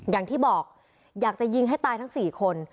อย่างที่บอกอยากจะยิงให้ตายทั้ง๔คน